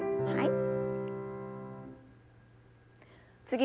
はい。